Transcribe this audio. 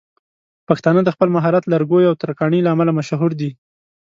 پښتانه د خپل مهارت لرګيو او ترکاڼۍ له امله مشهور دي.